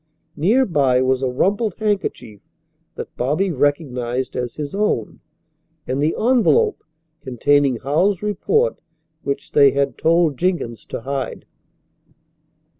Near by was a rumpled handkerchief that Bobby recognized as his own, and the envelope, containing Howells's report which they had told Jenkins to hide.